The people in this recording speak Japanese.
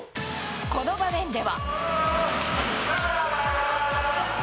この場面では。